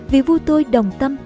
vì vua tôi đồng tâm